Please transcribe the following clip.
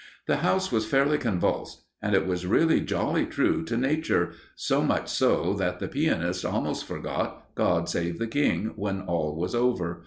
The house was fairly convulsed, and it was really jolly true to nature so much so that the pianist almost forgot "God Save the King" when all was over.